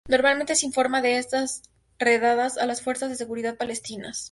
Normalmente se informa de estas redadas a las fuerzas de seguridad palestinas.